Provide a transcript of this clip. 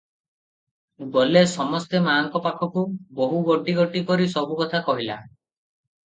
ଗଲେ ସମସ୍ତେ ମା'ଙ୍କ ପଖକୁ; ବୋହୂ ଗୋଟି ଗୋଟି କରି ସବୁ କଥା କହିଲା ।